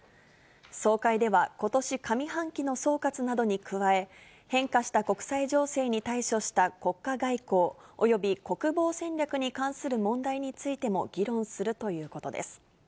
総会ではことし上半期の総括などに加え、変化した国際情勢に対処した国家外交、および国防戦略に関する問題についても議論するということです。